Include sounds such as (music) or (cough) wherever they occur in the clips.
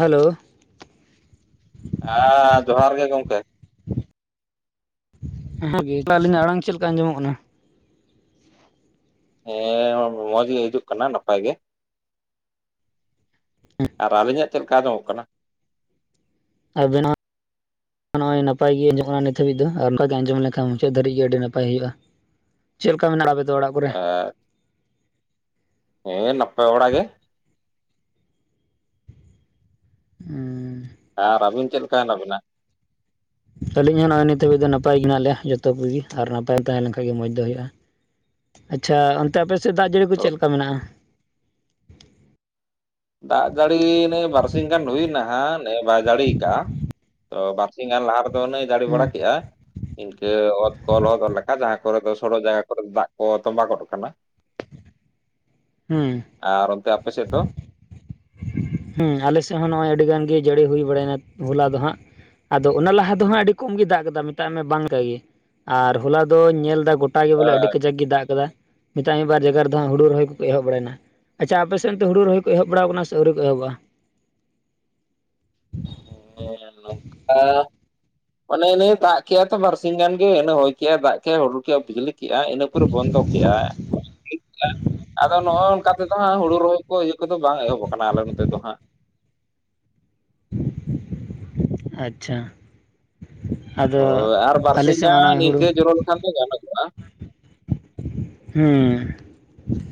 Hello ᱟ ᱡᱚᱦᱟᱨ ᱜᱮ ᱜᱚᱝᱠᱮ ᱦᱮᱸ ᱜᱮ ᱟᱹᱞᱤᱧ ᱟᱲᱟᱝ ᱪᱮᱫ ᱞᱮᱠᱟ ᱟᱡᱚᱢᱚᱜ ᱠᱟᱱᱟ? ᱦᱮᱸ ᱢᱚᱸᱡᱽ ᱜᱮ ᱦᱤᱡᱩᱜ ᱠᱟᱱᱟ ᱱᱟᱯᱟᱭ ᱜᱮ᱾ ᱟᱨ ᱟᱹᱞᱤᱧᱟᱜ ᱪᱮᱫ ᱞᱮᱠᱟ ᱟᱡᱚᱢᱚᱜ ᱠᱟᱱᱟ? ᱟᱵᱤᱱᱟᱜ᱾ ᱱᱚᱜᱼᱭ ᱱᱟᱯᱟᱭ ᱜᱮ ᱟᱸᱡᱚᱜ ᱱᱤᱛ ᱦᱟᱵᱤᱡ ᱟᱨ ᱱᱚᱝᱠᱟ ᱜᱮ ᱟᱸᱡᱚᱢ ᱞᱮᱱᱟᱱ ᱢᱩᱪᱟᱹᱫ ᱫᱷᱵᱤᱡ ᱜᱮ ᱟᱹᱰᱤ ᱱᱟᱯᱟᱭ ᱦᱩᱭᱩᱜᱼᱟ ᱾ ᱪᱮᱫ ᱞᱮᱠᱟ ᱢᱮᱱᱟᱜᱼᱟ ᱟᱯᱮ ᱫᱚ ᱚᱲᱟᱜ ᱟᱨ ᱦᱮᱸ ᱱᱟᱯᱟᱭ ᱵᱟᱲᱟ ᱜᱮ᱾ ᱦᱩᱸ ᱟᱨ ᱟᱹᱵᱤᱱ ᱪᱮᱫ ᱞᱮᱠᱟ ᱦᱮᱱᱟᱜ ᱵᱤᱱᱟ? ᱟᱹᱞᱤᱧ ᱦᱚᱸ ᱱᱚᱜᱼᱚᱭ ᱱᱤᱛ ᱦᱟᱹᱵᱤᱡ ᱫᱚ ᱱᱟᱯᱟᱭ ᱜᱮ ᱦᱮᱱᱟᱜ ᱞᱮᱭᱟ ᱡᱚᱛᱚ ᱠᱚᱜᱮ ᱟᱨ ᱱᱟᱯᱟᱭ ᱮᱢ ᱛᱟᱦᱮᱸ ᱞᱮᱱᱠᱟᱡ ᱜᱮ ᱢᱚᱸᱡᱽ ᱫᱚ ᱦᱩᱭᱩᱜᱼᱟ᱾ ᱟᱪᱪᱷᱟ ᱚᱱᱛᱮ ᱟᱯᱮ ᱥᱮᱫ ᱫᱟᱜ ᱡᱟᱹᱲᱤ ᱠᱚ ᱛᱚ ᱪᱮᱫᱞᱮᱠᱟ ᱢᱮᱱᱟᱜᱼᱟ? ᱫᱟᱜ ᱡᱟᱹᱲᱤ ᱱᱮᱭ ᱵᱟᱨᱥᱤᱧ ᱜᱟᱱ ᱦᱩᱭ ᱮᱱᱟ ᱦᱟᱜ, ᱱᱮ ᱵᱟᱭ ᱡᱟᱹᱲᱤ ᱠᱟᱜᱼᱟ ᱾ ᱛᱚ ᱵᱟᱨᱥᱤᱧ ᱜᱟᱱ ᱞᱟᱦᱟ ᱨᱮᱫᱚ ᱱᱟᱹᱭ ᱡᱟᱲᱤ ᱦᱩᱸ ᱵᱟᱲᱟ ᱠᱮᱜᱼᱟ᱾ ᱤᱱᱠᱟᱹ ᱚᱛ ᱠᱚ ᱞᱚᱦᱚᱫ ᱞᱮᱠᱟ ᱡᱟᱦᱟᱸ ᱠᱚᱨᱮ ᱫᱚ ᱥᱚᱲᱚᱜ ᱡᱟᱭᱜᱟ ᱠᱚᱨᱮ ᱫᱚ ᱫᱟᱜ ᱠᱚ ᱛᱚᱸᱵᱟ ᱜᱚᱫ ᱠᱟᱱᱟ ᱾ ᱦᱩᱸ ᱟᱨ ᱚᱱᱛᱮ ᱟᱯᱮ ᱥᱮᱫ ᱫᱚ᱾ ᱦᱮᱸ ᱟᱞᱮᱥᱮᱫ ᱦᱚᱸ ᱱᱚᱜᱼᱚᱭ ᱟᱹᱰᱤ ᱜᱟᱱ ᱜᱮ ᱡᱟᱹᱲᱤ ᱦᱩᱭ ᱵᱟᱲᱟᱭ ᱮᱱᱟ ᱦᱚᱞᱟ ᱫᱚ ᱦᱟᱸᱜ᱾ ᱟᱫᱚ ᱚᱱᱟ ᱞᱟᱦᱟ ᱫᱚ ᱦᱟᱸᱜ ᱟᱹᱰᱤ ᱠᱚᱢ ᱜᱮ ᱫᱟᱜ ᱠᱮᱫᱟᱭ ᱢᱮᱛᱟᱜ ᱢᱮ ᱵᱟᱝ ᱞᱮᱠᱟ ᱜᱮ, ᱟᱨ ᱦᱚᱞᱟ ᱫᱚᱧ ᱧᱮᱞ ᱮᱫᱟ ᱜᱚᱴ ᱜᱚᱴᱟᱜ ᱜᱮ ᱵᱚᱞᱮ ᱟᱹᱰᱤ ᱠᱟᱡᱟᱠ ᱜᱮ ᱫᱟᱜ ᱟᱠᱟᱫᱟ ᱾ ᱢᱮᱛᱟᱧ ᱵᱟᱨ ᱡᱟᱭᱜᱟ ᱨᱮᱫᱚ ᱦᱟᱸᱜ ᱦᱩᱲᱩ ᱨᱚᱦᱚᱭ ᱠᱚ ᱮᱦᱚᱵ ᱵᱟᱲᱟ ᱮᱱᱟ ᱟᱪᱷᱟ ᱟᱯᱮ ᱥᱮᱱ ᱫᱚ ᱦᱩᱲᱩ ᱨᱚᱦᱚᱭ ᱮᱦᱚᱵ ᱵᱟᱲᱟ ᱟᱠᱟᱱᱟ ᱟᱹᱣᱨᱤ ᱠᱚ ᱮᱦᱚᱵᱼᱟ᱾ ᱦᱮᱸ (unintelligible) (unintelligible) ᱚᱱᱮ ᱱᱤᱭ ᱫᱟᱜ ᱠᱮᱜ ᱟᱭ ᱛᱚ ᱵᱟᱨᱥᱤ ᱜᱟᱱ ᱜᱮ ᱤᱱᱟ ᱦᱚᱭ ᱠᱮᱜᱟᱭ ᱫᱟᱜ ᱠᱮᱜᱟᱭ ᱦᱩᱲᱩ ᱠᱮ ᱵᱤᱡᱽᱞᱤ᱾ ᱠᱮᱜᱼᱟ ᱤᱱᱟᱹ ᱯᱚᱨᱮ ᱵᱚᱱᱫᱚ ᱠᱮᱫ-ᱟᱭ ᱟᱫᱚ ᱱᱚᱜᱼᱚ ᱱᱚᱝᱠᱟ ᱛᱮᱫᱚ᱾ ᱦᱩᱲᱩ ᱨᱚᱦᱚᱭ ᱠᱚ ᱤᱭᱟᱹ ᱠᱚᱫᱚ ᱵᱟᱝ ᱮᱦᱚᱵ ᱟᱠᱟᱱᱟ ᱟᱞᱮ ᱱᱚᱛᱮ ᱫᱚ ᱦᱟᱸᱜ ᱾ ᱟᱪᱪᱷᱟ ᱟᱫᱚ ᱦᱳᱭ ᱟᱨ ᱟᱞᱮ ᱵᱟᱨᱥᱤᱧ ᱥᱮᱫ ᱢᱟ ᱜᱟᱱ ᱱᱚᱜᱼᱚᱭ ᱦᱩᱲᱩ ᱱᱤᱝᱠᱟᱹ ᱡᱚᱨᱚ ᱞᱮᱠᱷᱟᱱ ᱫᱚ ᱜᱟᱱᱚᱜ ᱜᱚ-ᱟ ᱾ ᱦᱩᱸ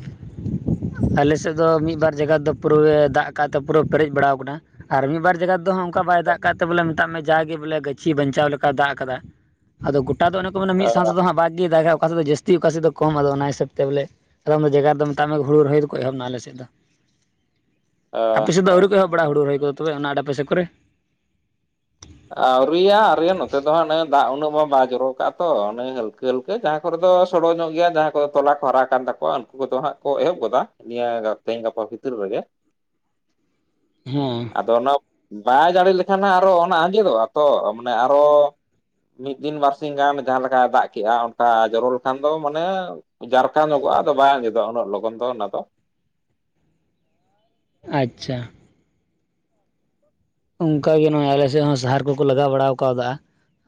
(inaudible) ᱟᱞᱮᱥᱮᱫ ᱫᱚ ᱢᱤᱫᱵᱟᱨ ᱡᱟᱭᱜᱟ ᱫᱚ ᱯᱩᱨᱟᱹ ᱫᱟᱜ ᱠᱟᱜᱼᱟ ᱛᱚ, ᱯᱩᱨᱟᱹ ᱯᱮᱨᱮᱡ ᱵᱟᱲᱟᱣ ᱟᱠᱟᱱᱟ ᱾ ᱟᱨ ᱢᱤᱫ ᱵᱟᱨ ᱡᱟᱭᱜᱟ ᱨᱮ ᱚᱱᱠᱟ ᱵᱟᱭ ᱫᱟᱜ ᱠᱟᱜ ᱛᱮ ᱵᱚᱞᱮ ᱢᱮᱛᱟᱜ ᱢᱮ, ᱡᱟᱜᱮ ᱵᱚᱞᱮ ᱜᱟᱹᱪᱷᱤ ᱵᱟᱧᱪᱟᱣ ᱞᱮᱠᱟᱭ ᱫᱟᱜ ᱟᱠᱟᱫᱟ ᱾ ᱟᱫᱚ ᱜᱚᱴᱟ ᱫᱚ ᱚᱱᱮ ᱠᱚ ᱢᱮᱱᱟ ᱢᱤᱫ ᱥᱟᱶᱛᱮ ᱫᱚ ᱦᱟᱸᱜ ᱵᱟᱜ ᱜᱮ ᱫᱟᱜ ᱚᱠᱟ ᱥᱮᱫ ᱫᱚ ᱡᱟᱹᱥᱛᱤ ᱚᱠᱟ ᱥᱮᱫ ᱫᱚ᱾ ᱠᱚᱢ ᱟᱫᱚ ᱚᱱᱟ ᱦᱤᱥᱟᱹᱵᱽ ᱛᱮ ᱵᱚᱞᱮ ᱟᱫᱚᱢᱫᱚ ᱡᱟᱭᱜᱟ ᱨᱮᱫᱚ ᱢᱮᱛᱟ ᱢᱮ ᱦᱩᱲᱩ ᱨᱚᱦᱚᱭ ᱫᱚᱠᱚ ᱮᱦᱚᱵ ᱮᱱᱟ ᱟᱞᱮ ᱥᱮᱫ ᱫᱚ᱾ ᱟᱯᱮ ᱥᱮᱫ ᱫᱚ ᱟᱹᱣᱨᱤ ᱠᱚ ᱮᱦᱚᱵ ᱵᱟᱲᱟᱜ ᱦᱩᱲᱩ ᱨᱚᱦᱚᱭ ᱠᱚ ᱛᱚᱵᱮ ᱚᱱᱟ ᱟᱰᱮ ᱯᱟᱥᱮ ᱠᱚᱨᱮ? ᱟᱹᱣᱨᱤᱭᱟ ᱟᱹᱣᱨᱤᱭᱟᱹ ᱱᱚᱛᱮ ᱫᱚ ᱦᱟᱸᱜ ᱫᱟᱜ ᱩᱱᱟᱹᱜ ᱢᱟ ᱵᱟᱭ ᱡᱚᱨᱚ ᱠᱟᱜ ᱛᱚ ᱚᱱᱮ ᱦᱟᱹᱞᱠᱟᱹ ᱦᱟᱹᱞᱠᱟᱹ᱾ ᱮ ᱡᱟᱦᱟᱸ ᱠᱚᱨᱮ ᱫᱚ ᱥᱚᱲᱚ ᱧᱚᱜ ᱜᱮᱭᱟ ᱡᱟᱦᱟᱸᱭ ᱠᱚᱫᱚ ᱛᱚᱞᱟ ᱠᱚ ᱦᱟᱨᱟ ᱠᱟᱱ ᱛᱟᱠᱚᱣᱟ ᱩᱱᱠᱩ ᱠᱚᱫᱚ ᱦᱟᱸᱜ ᱠᱚ ᱮᱦᱚᱵ ᱜᱚᱫᱟ ᱱᱤᱭᱟᱹ ᱛᱮᱦᱤᱧ ᱜᱟᱯᱟ ᱵᱷᱤᱛᱤᱨ ᱨᱮᱜᱮ ᱾ ᱦᱮᱸ ᱟᱫᱚ ᱚᱱᱟ ᱵᱟᱭ ᱡᱟᱲᱤ ᱞᱮᱠᱷᱟᱱ ᱟᱨᱚ ᱚᱱᱟ ᱟᱸᱡᱮᱫᱚᱜᱼᱟ ᱛᱚ ᱢᱟᱱᱮ ᱟᱨᱚᱻ ᱢᱤᱫ ᱫᱤᱱ ᱵᱟᱨᱥᱤᱧ ᱜᱟᱱ ᱡᱟᱦᱟᱸ ᱞᱮᱠᱟᱭ ᱫᱟᱜ ᱠᱮᱜᱼᱟ ᱚᱱᱠᱟ ᱡᱚᱨᱚ ᱞᱮᱠᱷᱟᱱ ᱫᱚ ᱢᱟᱱᱮ ᱡᱟᱨᱠᱷᱷᱟ ᱧᱚᱜᱚᱜᱼᱟ ᱟᱫᱚ ᱵᱟᱭ ᱟᱸᱡᱮᱫᱼᱟ ᱩᱱᱟᱹᱜ ᱞᱚᱜᱚᱱ ᱫᱚ ᱚᱱᱟ ᱫᱚ ᱟᱪᱪᱷᱟ ᱚᱱᱠᱟ ᱜᱮ ᱱᱚᱜᱚᱭ ᱟᱞᱮ ᱥᱮᱫ ᱦᱚᱸ ᱥᱟᱦᱟᱨ ᱠᱚᱠᱚ ᱞᱟᱜᱟᱣ ᱵᱟᱲᱟ ᱟᱠᱟᱫᱟ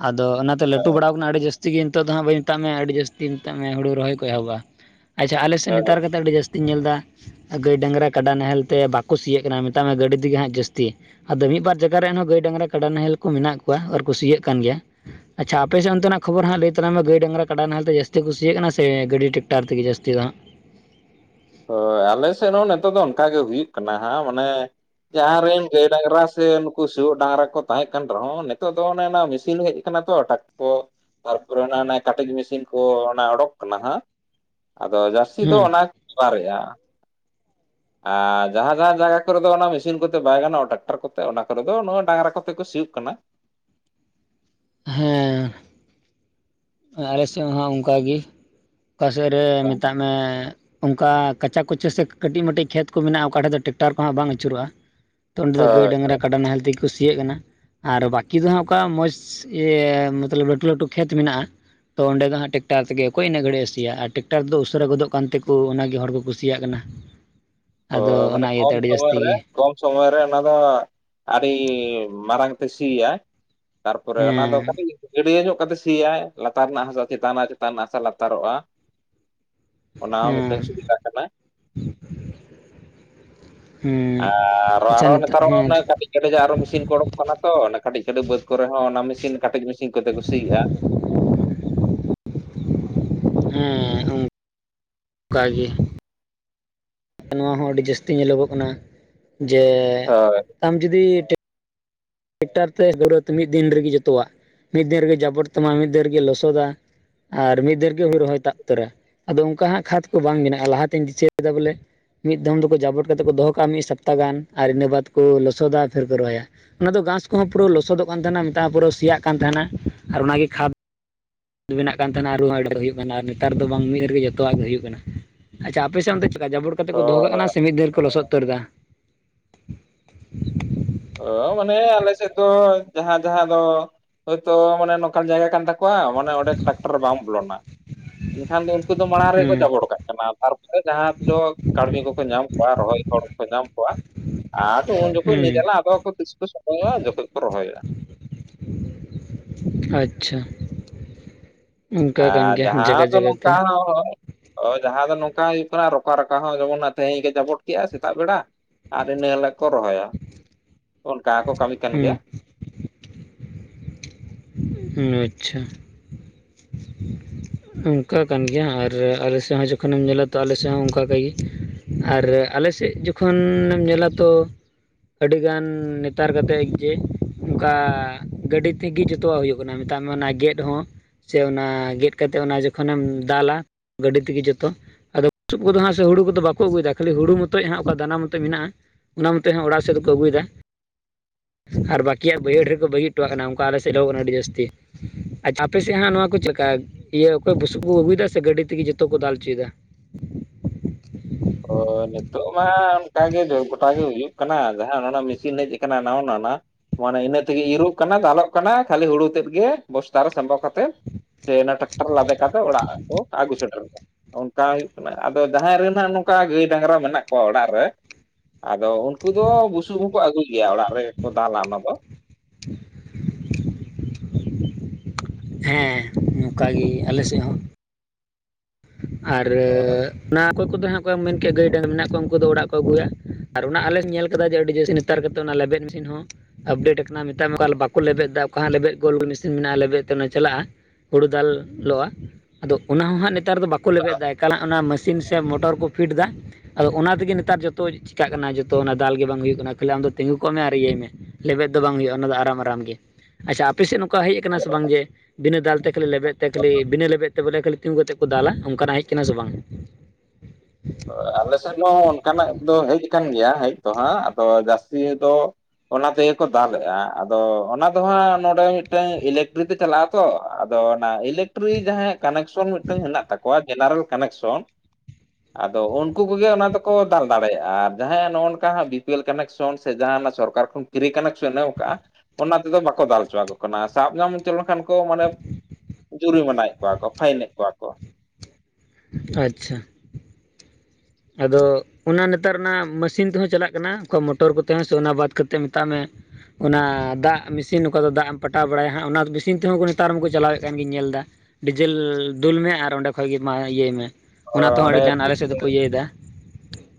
ᱟᱫᱚ ᱚᱱᱟᱛᱮ ᱞᱟᱹᱴᱩ ᱵᱟᱲᱟ ᱟᱠᱟᱱᱟ ᱟᱹᱰᱤ ᱡᱟᱹᱥᱛᱤ ᱡᱛᱤ ᱜᱮ ᱱᱤᱛᱚᱜ ᱫᱚ ᱦᱟᱸᱜ ᱵᱟᱹᱧ ᱢᱮᱛᱟᱜ ᱢᱮ ᱟᱹᱰᱤ ᱡᱟᱹᱥᱛᱤ ᱢᱮᱛᱟᱜ ᱢᱮ ᱦᱩᱲᱩ ᱨᱚᱦᱚᱭ ᱠᱚ ᱮᱦᱚᱵᱼᱟ ᱟᱪᱪᱷᱟ ᱮ ᱟᱞᱮᱥᱮᱱ ᱱᱮᱛᱟᱨ ᱠᱟᱛᱮ ᱟᱹᱰᱤ ᱡᱟᱹᱥ ᱛᱤᱧ ᱧᱮᱞ ᱮᱫᱟ ᱜᱟᱹᱭ ᱰᱟᱝᱨᱟ ᱠᱟᱰᱟ ᱱᱟᱦᱮᱞ ᱛᱮ ᱵᱟᱠᱚ ᱥᱤᱭᱚᱜ ᱠᱟᱱᱟ ᱢᱮᱛᱟᱜ ᱢᱮ ᱜᱟᱹᱰᱤ ᱛᱮᱜᱮ ᱦᱟᱸᱜ ᱡᱟᱹᱥᱛᱤ ᱟᱫᱚ ᱢᱤᱫ ᱵᱟᱨ ᱡᱟᱭᱜᱟ ᱨᱮᱱ ᱦᱚᱸᱚ ᱜᱟᱹᱭ ᱰᱟᱝᱨᱟ ᱠᱟᱰᱟ ᱱᱟᱦᱮᱞ ᱠᱚ ᱢᱮᱱᱟᱜ ᱠᱩᱣᱟ ᱟᱨ ᱠᱩ ᱥᱤᱭᱟᱜ ᱠᱟᱱ ᱜᱮᱭᱟ ᱟᱪᱪᱷᱟ ᱟᱯᱮᱥᱮ ᱚᱱᱛᱮᱱᱟᱜ ᱠᱷᱚᱵᱚᱨ ᱦᱟᱸᱜ ᱞᱟᱹᱭ ᱛᱟᱞᱟᱝ ᱢᱮ ᱜᱟᱹᱭ ᱰᱟᱝᱨᱟ ᱠᱟᱰᱟ ᱱᱟᱦᱮᱞᱛᱮ ᱡᱟᱹᱥᱛᱤ ᱠᱩ ᱥᱤᱭᱟᱜ ᱠᱟᱱᱟ ᱥᱮ ᱜᱟᱰᱤ ᱴᱮᱠᱴᱟᱨ ᱛᱮᱜᱮ ᱡᱟᱹᱥᱛᱤ ᱫᱚᱦᱟᱸᱜ ᱦᱳᱭ ᱟᱞᱮ ᱥᱮᱫ ᱦᱚᱸ ᱱᱤᱛᱚᱜ ᱫᱚ ᱚᱱᱠᱟᱜ ᱜᱮ ᱦᱩᱭᱩᱜ ᱠᱟᱱᱟ ᱦᱟᱸᱜ ᱢᱟᱱᱮ᱾ ᱡᱟᱦᱟᱸᱭ ᱨᱮᱱ ᱜᱟᱹᱭ ᱰᱟᱝᱨᱟ ᱥᱮ ᱱᱩᱠᱩ ᱥᱤᱭᱳᱜ ᱰᱟᱝᱜᱽᱨᱟ ᱠᱚ ᱛᱟᱦᱮᱸ ᱠᱟᱱ ᱨᱮᱦᱚᱸ, ᱱᱤᱛᱚᱜ ᱫᱚ ᱚᱱᱮ ᱚᱱᱟ ᱢᱮᱥᱤᱱ ᱦᱮᱡ ᱛᱚ ᱴᱟᱠᱴᱚᱨ ᱛᱟᱨᱯᱚᱨᱮ ᱚᱱᱟ ᱚᱱᱟ ᱠᱟᱴᱤᱜ ᱢᱮᱥᱤᱱ ᱠᱚ ᱚᱱᱟ ᱚᱰᱳᱠ ᱠᱟᱱᱟ ᱦᱟᱸᱜ ᱟᱫᱚ ᱡᱟᱹᱥᱛᱤ ᱫᱚ ᱦᱮᱸ ᱚᱱᱟ ᱜᱮᱠᱚ ᱵᱮᱣᱦᱟᱨᱮᱼᱟ (inaudible) ᱟᱨ ᱡᱟᱦᱟᱸ ᱡᱟᱦᱟᱸ ᱡᱟᱭᱜᱟ ᱠᱚᱨᱮ ᱫᱚ ᱢᱮᱥᱤᱱ ᱠᱚᱛᱮ ᱵᱟᱭ ᱜᱟᱱᱚᱜᱼᱟ ᱠᱟᱱᱟ ᱴᱟᱠᱴᱟᱨ ᱠᱚᱛᱮ ᱚᱱᱟ ᱠᱚᱨᱮ ᱫᱚ ᱱᱚᱣᱟ ᱰᱟᱝᱨᱟ ᱠᱚᱛᱮ ᱠᱚ ᱥᱤᱭᱳᱜ ᱠᱟᱱᱟ᱾ ᱦᱮᱸᱻ ᱟᱞᱮ ᱥᱮᱫ ᱦᱚᱸ ᱚᱱᱠᱟᱜᱮ ᱚᱠᱟ ᱥᱮᱫ ᱨᱮ ᱢᱮᱛᱟᱜ ᱢᱮᱻ ᱚᱱᱠᱟ ᱠᱟᱪᱟ ᱠᱩᱪᱟ ᱥᱮ ᱠᱟᱹᱴᱤᱡ ᱢᱟᱴᱤᱡ ᱠᱷᱮᱛ ᱠᱚ ᱢᱮᱱᱟᱜᱼᱟ ᱚᱠᱟ ᱴᱷᱮ ᱫᱚ ᱴᱮᱠᱴᱟᱨ ᱠᱚ ᱦᱟᱸᱜ ᱵᱟᱝ ᱟᱹᱪᱩᱨᱚᱜᱼᱟ ᱛᱚ ᱚᱱᱰᱮ ᱫᱚ ᱜᱟ. ᱦᱳᱭ ᱭ ᱰᱟᱝᱜᱨᱟ ᱠᱟᱰᱟ ᱱᱟᱦᱮᱞ ᱛᱮᱜᱮ ᱠᱩᱥᱤᱭᱟᱜ ᱠᱟᱱᱟ ᱟᱨ ᱵᱟᱠᱤ ᱫᱚ ᱦᱟᱸᱜ ᱚᱠᱟ ᱢᱚᱡᱽ ᱤᱭᱟᱹ ᱢᱚᱛᱞᱚᱵ ᱞᱟᱹᱴᱩ ᱞᱟᱹᱴᱩ ᱠᱷᱮᱛ ᱢᱮᱱᱟᱜᱼᱟ ᱛᱚ ᱚᱸᱰᱮ ᱫᱚ ᱦᱟᱜ ᱴᱮᱠᱟᱨ ᱛᱮᱜᱮ ᱚᱠᱚᱭ ᱤᱱᱟᱹᱜ ᱜᱷᱟᱹᱲᱤᱡ ᱮ ᱥᱤᱭᱟ ᱟᱨ ᱴᱮᱠᱴᱟᱨ ᱫᱚ ᱩᱥᱟᱹᱨᱟ ᱜᱚᱫᱚᱜ ᱠᱟᱱ ᱛᱮᱠᱚ ᱚᱱᱟᱜᱮ ᱦᱚᱲ ᱠᱚ ᱠᱩᱥᱤᱭᱟᱜ ᱠᱟᱱᱟ᱾ (inaudible) ᱚ ᱢᱟᱱᱮ ᱚᱱᱟ ᱤᱭᱟᱹᱛᱮ ᱠᱚᱢ ᱟᱹᱰᱤ ᱥᱚᱢᱚᱭ ᱡᱟᱹᱥᱛᱤ ᱨᱮ ᱜᱮ ᱢᱮᱱᱟᱭᱟ ᱠᱚᱢ ᱥᱚᱢᱚᱭ ᱨᱮ ᱚᱱᱟ ᱫᱚ ᱟᱹᱰᱤ ᱢᱟᱨᱟᱝ ᱛᱮ ᱥᱤᱭᱟ ᱛᱟᱨᱯᱚᱨᱮ ᱚᱱᱟ ᱫᱚ ᱦᱮᱸ ᱠᱟᱹᱴᱤᱡ ᱜᱟᱹᱰᱭᱟᱹ ᱧᱚᱜ ᱠᱟᱛᱮ ᱥᱤᱭᱟᱭ ᱞᱟᱛᱟᱨ ᱨᱮᱱᱟᱜ ᱦᱟᱥᱟ ᱪᱮᱛᱟᱱᱚᱜᱼᱟ ᱪᱮᱛᱟᱱ ᱨᱮᱱᱟᱜ ᱦᱟᱥᱟ ᱞᱟᱛᱟᱨᱚᱜᱼᱟ᱾ ᱚᱱᱟ ᱦᱚᱸ ᱦᱮᱸ ᱢᱤᱫᱴᱟᱝ ᱥᱩᱵᱤᱛᱟ ᱠᱟᱱᱟ (inaudible) ᱦᱮᱸ ᱟᱻᱨᱚ ᱟᱪᱪᱷᱟ ᱟᱨᱚ ᱱᱤᱛᱚᱜ ᱱᱮᱛᱟᱨᱚᱜᱼᱟ ᱦᱮᱸ ᱠᱟᱹᱴᱤᱡ ᱠᱟᱴᱤ ᱫᱚ ᱟᱨᱚ ᱢᱮᱥᱤᱱ ᱠᱚ ᱚᱰᱳᱠ ᱟᱠᱟᱱᱟ ᱛᱚ ᱠᱟᱹᱴᱤᱡ ᱠᱟᱹᱴᱤᱡ ᱵᱟᱹᱫᱽ ᱠᱚᱨᱮ ᱦᱚᱸ ᱚᱱᱟ ᱢᱮᱥᱤᱱ ᱠᱟᱹᱴᱤᱡ ᱢᱮᱥᱤᱱ ᱠᱚᱛᱮ ᱠᱚ ᱥᱤᱦᱩᱭᱟ ᱦᱮᱸ ᱚᱱᱠᱟᱜᱮ (unintelligible) ᱱᱚᱣᱟ ᱦᱚᱸ ᱟᱹᱰᱤ ᱡᱟᱹᱥᱛᱤ ᱧᱮᱞᱚᱜᱚᱜ ᱠᱟᱱᱟ ᱡᱮ ᱦᱳᱭ ᱟᱢ ᱡᱩᱫᱤ ᱴᱮᱠᱴᱟᱨ ᱛᱮ ᱵᱨᱚᱛ ᱢᱤᱫ ᱫᱤᱱ ᱨᱮᱜᱮ ᱡᱚᱛᱚᱣᱟᱜ ᱢᱤᱫ ᱫᱤᱱ ᱨᱮᱜᱮ ᱡᱟᱵᱚᱰ ᱛᱟᱢᱟ ᱢᱤᱫ ᱫᱤᱱ ᱨᱮᱜᱮ ᱞᱚᱥᱚᱫᱟ ᱟᱨ ᱢᱤᱫ ᱫᱤᱱ ᱜᱮ ᱦᱩᱲᱩ ᱨᱚᱦᱚᱭ ᱛᱟ ᱩᱛᱟᱹᱨᱟ ᱟᱫᱚ ᱚᱱᱠᱟ ᱦᱟᱸᱜ ᱠᱷᱟᱫ ᱠᱚ ᱵᱟᱝ ᱢᱮᱱᱟᱜᱼᱟ ᱞᱟᱦᱟᱛᱤᱧ ᱫᱤᱥᱟᱹᱟ ᱵᱚᱞᱮ ᱢᱤᱫ ᱫᱚᱢ ᱫᱚᱠᱚ ᱡᱟᱵᱚᱰ ᱠᱟᱛᱮ ᱠᱚ ᱫᱚᱦᱚ ᱠᱟᱜᱼᱟ ᱢᱤᱫ ᱥᱚᱯᱛᱟ ᱜᱟᱱ ᱟᱨ ᱤᱱᱟᱹ ᱵᱟᱫ ᱠᱚ ᱞᱚᱥᱚᱫᱟ ᱟᱨ ᱯᱷᱤᱨ ᱠᱚ ᱨᱚᱦᱚᱭᱟ᱾ ᱚᱱᱟ ᱫᱚ ᱜᱷᱟᱥ ᱠᱚᱦᱚᱸ ᱯᱩᱨᱟᱹ ᱞᱚᱥᱚᱫᱚᱜ ᱠᱟᱱ ᱛᱟᱦᱮᱱᱟ ᱢᱮᱛᱼᱟ ᱯᱩᱨᱟᱹ ᱥᱮᱤᱭᱟᱜ ᱠᱟᱱ ᱛᱟᱦᱮᱱᱟ ᱟᱨ ᱚᱱᱟᱜᱮ ᱠᱷᱟᱫᱽ ᱵᱮᱱᱟᱜ ᱠᱟᱱ ᱛᱟᱦᱮᱱᱟ ᱟᱨᱦᱚᱸ ᱮᱰᱟᱨ (unintelligible) ᱦᱩᱭᱩᱜ ᱠᱟᱱᱟ ᱟᱨ ᱱᱮᱛᱟᱨ ᱫᱚ ᱵᱟᱝ ᱢᱤᱫ ᱨᱮᱜᱮ ᱡᱚᱛᱚᱣᱟᱜ ᱜᱮ ᱦᱩᱭᱩᱜ ᱠᱟᱱᱟ ᱟᱪᱪᱷᱟ ᱟᱯᱮᱥᱮᱱ ᱪᱮᱠᱟ ᱡᱟᱵᱚᱰ ᱠᱟᱛᱮ ᱠᱚ ᱫᱚᱦᱚᱠᱟᱜ ᱠᱟᱱᱟ ᱥᱮ ᱢᱤᱫ ᱫᱟᱤᱱ ᱨᱮ ᱠᱚ ᱞᱚᱥᱚᱫ ᱩᱛᱟᱹᱨ ᱮᱫᱟ ᱚ ᱢᱟᱱᱮᱻ ᱟᱞᱮ ᱥᱮᱫ ᱫᱚ ᱡᱟᱦᱟᱸ ᱡᱟᱦᱟᱸ ᱫᱚ ᱦᱳᱭᱛᱳ ᱢᱟᱱᱮ ᱱᱚᱝᱠᱟᱱ ᱡᱟᱭᱜᱟ ᱠᱟᱱ ᱛᱟᱠᱚᱣᱟ ᱢᱟᱱᱮ ᱚᱸᱰᱮ ᱴᱟᱠᱴᱟᱨ ᱵᱟᱝ ᱵᱚᱞᱚᱱᱟ ᱮᱱᱠᱷᱟᱱ ᱫᱚ ᱩᱱᱠᱩ ᱫᱚ ᱢᱟᱲᱟᱝ ᱨᱮᱜᱮᱠᱚ ᱦᱩᱸ ᱡᱟᱵᱚᱰ ᱠᱟᱜ ᱠᱟᱱᱟ ᱡᱟᱦᱟᱸ ᱛᱚ ᱠᱟᱹᱲᱢᱤ ᱠᱚᱠᱚ ᱧᱟᱢ ᱠᱚᱣᱟ ᱨᱚᱦᱚᱭ ᱦᱚᱲᱠᱚ ᱧᱟᱢ ᱠᱚᱣᱟ ᱟᱫᱚ ᱩᱱ ᱡᱚᱠᱷᱚᱱ ᱦᱩᱸ ᱱᱤ ᱡᱟᱞᱟ ᱟᱫᱚ ᱛᱤᱥ ᱠᱚ ᱥᱚᱢᱚᱭᱚᱜᱼᱟ ᱡᱚᱛᱚᱜᱮ ᱠᱚ ᱨᱚᱦᱚᱭᱟ᱾ ᱟᱪᱪᱷᱟ ᱚᱱᱠᱟ ᱠᱟᱱ ᱟᱨ ᱜᱮᱭᱟ ᱡᱟᱦᱟᱸ ᱡᱟᱭᱜᱟ ᱫᱚ ᱡᱟᱭᱜᱟ ᱛᱮ ᱱᱚᱝᱠᱟ ᱦᱚᱸ ᱚ ᱡᱟᱦᱟᱸ ᱫᱚ ᱱᱚᱝᱠᱟ ᱦᱩᱭᱩᱜ ᱠᱟᱱᱟ ᱨᱚᱠᱟ ᱨᱟᱠᱟ ᱦᱚᱸ ᱡᱮᱢᱚᱱ ᱛᱮᱦᱮᱧ ᱡᱟᱵᱚᱰ ᱠᱮᱭᱼᱟ ᱥᱮᱛᱟᱜ ᱵᱮᱲᱟ ᱟᱨ ᱤᱱᱟᱹ ᱦᱤᱞᱳᱜ ᱠᱚ ᱨᱚᱦᱚᱭᱟ ᱚᱱᱠᱟ ᱦᱚᱸᱠᱚ ᱠᱟᱹᱢᱤ ᱠᱟᱱ ᱜᱮᱭᱟ᱾ ᱦᱩᱸ ᱦᱩᱸ ᱟᱪᱪᱷᱟ ᱚᱱᱠᱟ ᱠᱟᱱ ᱜᱮᱭᱟ ᱟᱨ ᱟᱞᱮ ᱥᱮᱫ ᱦᱚᱸ ᱡᱚᱠᱷᱚᱱᱮᱢ ᱧᱮᱞᱟ ᱛᱚ ᱟᱞᱮ ᱥᱮᱫ ᱦᱚᱸ ᱚᱱᱠᱟᱠᱟᱭᱜᱮ ᱟᱨ ᱟᱞᱮ ᱥᱮᱫ ᱡᱚᱠᱷᱚᱱᱮᱢ ᱧᱮᱞᱟ ᱛᱚ ᱟᱹᱰᱤ ᱜᱟᱱ ᱱᱮᱛᱟᱨ ᱠᱟᱛᱮᱫ ᱡᱮ ᱚᱱᱠᱟ ᱜᱟᱹᱰᱤ ᱛᱮᱜᱮ ᱡᱚᱛᱚᱣᱟᱜ ᱦᱩᱭᱩᱜ ᱠᱟᱱᱟ ᱢᱮᱛᱟᱜ ᱢᱮ ᱚᱱᱟ ᱜᱮᱫ ᱦᱚᱸ ᱥᱮ ᱚᱱᱟ ᱜᱮᱫ ᱠᱟᱛᱮ ᱚᱱᱟ ᱡᱚᱠᱷᱚᱱᱮᱢ ᱫᱟᱞᱟ ᱜᱟᱹᱰᱤ ᱛᱮᱜᱮ ᱡᱚᱛᱚ ᱟᱫᱚ ᱪᱩᱠᱩ ᱫᱚᱱᱷᱟᱜ ᱥᱮ ᱦᱩᱲᱩ ᱠᱚᱫᱚ ᱵᱟᱠᱚ ᱟᱹᱜᱩᱭᱮᱫᱟ ᱠᱷᱟᱹᱞᱤ ᱦᱩᱲᱩ ᱢᱚᱛᱚᱡ ᱦᱟᱸᱜ ᱚᱠᱟ ᱫᱟᱱᱟ ᱢᱚᱛᱚᱡ ᱢᱮᱱᱟᱜᱼᱟ ᱚᱱᱟ ᱢᱚᱛᱮ ᱦᱚᱸ ᱚᱲᱟᱜ ᱥᱮᱫ ᱫᱚ ᱠᱚ ᱟᱹᱜᱩᱭᱮᱫᱟ ᱟᱨ ᱵᱟᱠᱤᱭᱟᱜ ᱵᱟᱹᱭᱦᱟᱹᱲ ᱨᱮ ᱠᱚ ᱵᱟᱹᱜᱤ ᱦᱚᱴᱚ ᱣᱟᱜ ᱠᱟᱱᱟ ᱚᱱᱠᱟ ᱟᱞᱮ ᱥᱮᱫ ᱩᱱ ᱟᱹᱰᱤ ᱡᱟᱹᱥᱛᱤ ᱟᱪᱪᱷᱟ ᱟᱯᱮ ᱥᱮᱜ ᱦᱟᱸᱜ ᱱᱚᱣᱟ ᱠᱚ ᱪᱮᱫ ᱞᱮᱠᱟ ᱤᱭᱟᱹ ᱚᱠᱚᱭ ᱵᱩᱥᱩᱵ ᱠᱚ ᱟᱹᱜᱩᱭᱮᱫᱟ ᱥᱮ ᱜᱟᱹᱰᱤ ᱛᱮᱜᱮ ᱡᱚᱛᱚ ᱠᱚ ᱫᱟᱞ ᱚᱪᱚᱭᱮᱫᱟ? ᱚ ᱱᱤᱛᱳ ᱢᱟ ᱚᱱᱠᱟᱜᱮ ᱜᱚᱴᱟ ᱜᱮ ᱦᱩᱭᱩᱜ ᱠᱟᱱᱟ ᱡᱟᱦᱟᱸ ᱚᱱ ᱚᱱᱟ ᱢᱮᱥᱤᱱ ᱦᱮᱸᱡ ᱟᱠᱟᱱᱟ ᱱᱟᱣᱟ ᱱᱷᱟᱜ ᱱᱟᱜ ᱢᱟᱱᱮ ᱤᱱᱟᱹ ᱛᱮᱜᱮ ᱤᱨᱚᱜ ᱠᱟᱱᱟ ᱫᱟᱞᱚᱜ ᱠᱟᱱᱟ ᱠᱷᱟᱹᱞᱤ ᱦᱩᱲᱩ ᱛᱮᱫ ᱜᱮ ᱵᱚᱥᱛᱟ ᱨᱮ ᱥᱟᱸᱵᱟᱣ ᱠᱟᱛᱮᱫ ᱦᱮᱸ ᱴᱟᱠᱴᱟᱨ ᱞᱟᱫᱮ ᱠᱟᱛᱮ ᱚᱲᱟᱜ ᱠᱚ ᱟᱹᱜᱩ ᱥᱮᱴᱮᱨᱼᱟ ᱚᱱᱠᱟ ᱦᱩᱭᱩᱜ ᱠᱟᱱᱟ ᱟᱫᱚ ᱡᱟᱦᱟᱸᱭ ᱨᱮ ᱦᱟᱸᱜ ᱱᱚᱝᱠᱟ ᱜᱟᱹᱭ ᱰᱟᱝᱨᱟ ᱢᱮᱱᱟᱜ ᱠᱚᱣᱟ ᱚᱲᱟᱜ ᱨᱮ ᱟᱫᱚ ᱩᱱᱠᱩ ᱫᱚ ᱵᱩᱥᱩᱵ ᱦᱚᱸᱠᱚ ᱟᱹᱜᱩ ᱜᱮᱭᱟ ᱚᱲᱟᱜ ᱨᱮᱠᱚ ᱫᱟᱞᱟ ᱚᱱᱟ ᱫᱚ (inaudible) ᱦᱮᱸ ᱚᱝᱠᱟ ᱜᱮ ᱟᱞᱮ ᱥᱮᱫ ᱦᱚᱸ ᱟᱨ ᱚᱱᱟ ᱚᱠᱚᱭ ᱠᱚᱫᱚ ᱦᱟᱸᱜ ᱠᱚ ᱢᱮᱱ ᱠᱮᱜᱼᱟ ᱜᱟᱹᱭ ᱰᱟᱝᱨᱤ ᱦᱮᱱᱟᱜ ᱠᱚᱣᱟ ᱩᱱᱠᱩ ᱫᱚ ᱚᱲᱟᱜ ᱠᱚ ᱟᱹᱜᱩᱭᱟ ᱟᱨ ᱚᱱᱟ ᱟᱞᱮ ᱞᱮ ᱧᱮᱞ ᱠᱟᱫᱟ ᱡᱮ ᱟᱹᱰᱤ ᱡᱟᱹᱥᱛᱤ ᱱᱤᱛ ᱱᱮᱛᱟᱨ ᱜᱮᱛᱚ ᱚᱱᱟ ᱞᱮᱵᱮᱫ ᱢᱮᱥᱤᱱ ᱦᱚᱸ ᱟᱯᱰᱮᱴ ᱟᱠᱟᱱᱟ ᱢᱮᱛ ᱢᱮ ᱵᱟᱠᱚ ᱞᱮᱵᱮᱫᱟ ᱚᱠᱟ ᱞᱮᱵᱮᱫ ᱜᱳᱞ ᱢᱮᱥᱤᱱ ᱢᱮᱱᱟᱜᱼᱟ ᱞᱮᱵᱮᱫ ᱛᱮ ᱚᱱᱟ ᱪᱟᱞᱟᱜᱼᱟ ᱦᱩᱲᱩ ᱫᱟᱞᱚᱜᱼᱟ ᱟᱫᱚ ᱚᱱᱟᱦᱚ ᱦᱟᱸᱜ ᱱᱤᱛ ᱱᱮᱛᱟᱨ ᱫᱚ ᱵᱟᱠᱚ ᱞᱮᱵᱮᱫ ᱮᱟ ᱮᱠᱟᱞ ᱚᱱᱟ ᱢᱮᱥᱤᱱ ᱥᱮ ᱢᱚᱴᱚᱨ ᱠᱚ ᱯᱷᱤᱴ ᱮᱫᱟ ᱟᱫᱚ ᱚᱱᱟ ᱛᱮᱜᱮ ᱱᱮᱛᱟᱨ ᱡᱚᱛᱚ ᱪᱤᱠᱟᱹᱜ ᱠᱟᱱᱟ ᱡᱚᱛᱚ ᱚᱱᱟ ᱫᱟᱞ ᱜᱮ ᱵᱟᱝ ᱦᱩᱭᱩᱜ ᱠᱟᱱᱟ ᱠᱷᱟᱹᱞᱤ ᱟᱢ ᱫᱚ ᱛᱤᱸᱜᱩ ᱠᱚᱜ ᱢᱮ ᱟᱨ ᱤᱭᱟᱹᱭ ᱢᱮ ᱞᱮᱵᱮᱫ ᱫᱚ ᱵᱟᱝ ᱦᱩᱭᱩᱜᱼᱟ ᱚᱱᱟ ᱫᱚ ᱟᱨᱟᱢ ᱟᱨᱟᱢ ᱜᱮ ᱟᱪᱪᱷᱟ ᱟᱯᱮ ᱥᱮᱫ ᱦᱚᱸ ᱚᱱᱠᱟ ᱦᱮᱡ ᱟᱠᱟᱱᱟ ᱥᱮ ᱵᱟᱝ ᱜᱮ ᱵᱤᱱᱟᱹ ᱫᱟᱞ ᱛᱮ ᱠᱷᱟᱹᱞᱤ ᱞᱮᱵᱮᱫ ᱛᱮ ᱠᱷᱟᱹᱞᱤ ᱵᱤᱱᱟᱹ ᱞᱮᱵᱮᱫ ᱛᱮ ᱵᱚᱞᱮ ᱠᱷᱟᱹᱞᱤ ᱛᱤᱸᱜᱩ ᱠᱟᱛᱮᱫ ᱫᱟᱞᱟ ᱚᱱᱠᱟᱱᱟᱜ ᱦᱮᱸᱡ ᱟᱠᱟᱱᱟ ᱥᱮ ᱵᱟᱝ ᱟᱞᱮ ᱥᱮᱫ ᱦᱚᱸ ᱚᱱᱠᱟᱱᱟᱜ ᱫᱚ ᱦᱮᱡ ᱟᱠᱟᱱ ᱜᱮᱭᱟ ᱦᱮᱡ ᱫᱚ ᱦᱟᱸᱜ ᱟᱫᱚ ᱡᱟᱹᱥᱛᱤ ᱫᱚ ᱚᱱᱟ ᱛᱮᱜᱮ ᱠᱚ ᱫᱟᱞᱮᱜᱼᱟ ᱟᱫᱚ ᱚᱱᱟ ᱫᱚ ᱦᱟᱸᱜ ᱱᱚᱰᱮ ᱢᱤᱫᱴᱟᱹᱝ ᱤᱞᱮᱠᱴᱨᱤ ᱛᱮ ᱪᱟᱞᱟᱜᱼᱟ ᱛᱚ ᱟᱫᱚ ᱚᱱᱟ ᱤᱞᱮᱠᱴᱤᱨᱤ ᱡᱟᱦᱟᱸᱭᱟᱜ ᱠᱟᱱᱮᱠᱥᱚᱱ ᱢᱤᱫᱴᱟᱝ ᱦᱮᱱᱟᱜ ᱛᱟᱠᱚᱣᱟ ᱡᱮᱱᱟᱨᱮᱞ ᱠᱟᱱᱮᱠᱥᱚᱱ ᱟᱫᱚ ᱩᱱᱠᱩ ᱠᱚᱜᱮ ᱚᱱᱟ ᱫᱚᱠᱚ ᱫᱟᱞ ᱫᱟᱲᱮᱭᱟᱜᱼᱟ ᱟᱨ ᱡᱟᱦᱟᱸᱭᱟᱜ ᱱᱚᱜᱼᱚᱭ ᱱᱚᱝᱠᱟᱟᱸᱜ ᱵᱤᱯᱤ ᱮᱞ ᱠᱟᱱᱮᱠᱥᱚᱱ ᱥᱮ ᱡᱟᱦᱟᱱᱟᱜ ᱥᱚᱨᱠᱟᱨ ᱠᱷᱚᱱ ᱠᱤᱨᱤ ᱠᱟᱱᱮᱠᱥᱚᱱ ᱚᱠᱟ ᱚᱱᱟ ᱛᱮᱫᱚ ᱵᱟᱠᱚ ᱫᱟᱞ ᱦᱚᱪᱚᱣᱟ ᱠᱚ ᱠᱟᱱᱟ ᱥᱟᱵ ᱧᱟᱢ ᱦᱚᱪᱚ ᱞᱮᱱᱠᱷᱟᱱ ᱠᱚ ᱢᱟᱱᱮ ᱡᱩᱨᱤ ᱢᱟᱱᱟᱭᱮᱫ ᱠᱚᱣᱟ ᱠᱚ ᱯᱷᱟᱭᱤᱱᱮᱫ ᱠᱚᱣᱟ ᱠᱚ ᱟᱪᱪᱷᱟ ᱟᱫᱚ ᱚᱱᱟ ᱱᱮᱛᱟᱨ ᱚᱱᱟ ᱢᱮᱥᱤᱱ ᱛᱮᱦᱚᱸ ᱪᱟᱞᱟᱜ ᱠᱟᱱᱟ ᱚᱠᱟ ᱢᱚᱴᱚᱨ ᱠᱚᱛᱮ ᱦᱚᱸ ᱥᱮ ᱚᱱᱟ ᱵᱟᱫ ᱠᱟᱛᱮᱫ ᱢᱮᱛᱟᱜ ᱢᱮ ᱚᱱᱟ ᱫᱟᱜ ᱢᱮᱥᱤᱱ ᱚᱠᱟ ᱫᱚ ᱫᱟᱜ ᱮᱢ ᱯᱟᱴᱟᱣ ᱵᱟᱲᱟᱭᱟ ᱦᱟᱸᱜ ᱚᱱᱟ ᱢᱮᱥᱤᱱ ᱛᱮᱦᱚᱸ ᱱᱮᱛᱟᱨ ᱢᱟᱠᱚ ᱪᱟᱞᱟᱣᱮᱫ ᱠᱟᱱ ᱜᱤᱧ ᱧᱮᱞ ᱮᱫᱟ ᱰᱤᱡᱮᱞ ᱫᱩᱞ ᱢᱮ ᱟᱨ ᱚᱸᱰᱮ ᱠᱷᱚᱡᱜᱮ ᱢᱟ ᱤᱭᱟᱹᱭ ᱢᱮ ᱚᱱᱟ ᱛᱮᱦᱚᱸ ᱟᱹᱰᱤ ᱜᱟᱱ ᱟᱞᱮ ᱥᱮᱫ ᱫᱚᱠᱚ ᱤᱭᱟᱹᱭᱮᱫᱟ